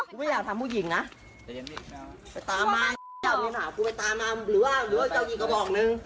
กูไม่อยากทำผู้หญิงนะไปตามมาหรือว่าเจ้าหญิงก็บอกนึง